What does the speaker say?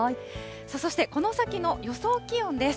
そしてこの先の予想気温です。